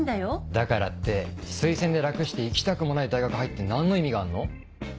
だからって推薦で楽して行きたくもない大学入って何の意味があんの？